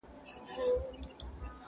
o خر و ځان ته اريان و، خاوند ئې بار ته٫